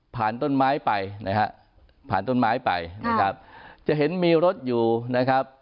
ต้นไม้ไปนะฮะผ่านต้นไม้ไปนะครับจะเห็นมีรถอยู่นะครับ